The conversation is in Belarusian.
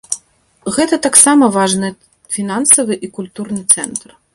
Гэта таксама важны фінансавы і культурны цэнтр.